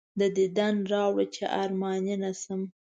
دیدن راوړه چې ارماني نه شم.